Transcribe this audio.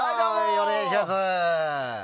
お願いします。